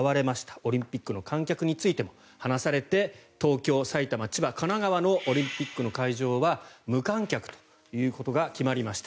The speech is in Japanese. オリンピックの観客についても話されて東京、神奈川、埼玉、千葉のオリンピックの会場は無観客ということが決まりました。